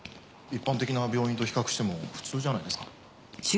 一般的な病院と比較しても普通じゃないですか？